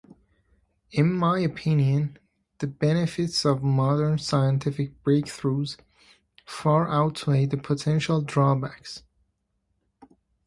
In my opinion, the benefits of modern scientific breakthroughs far outweigh the potential drawbacks.